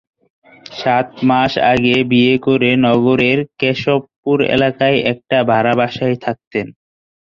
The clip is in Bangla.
সাত মাস আগে বিয়ে করে নগরের কেশবপুর এলাকায় একটা ভাড়া বাসায় থাকতেন।